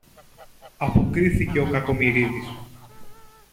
αποκρίθηκε ο Κακομοιρίδης.